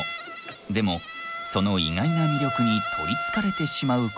でもその意外な魅力に取りつかれてしまうことも。